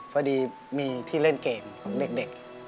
พอดีมีที่เล่นเกมของเด็ก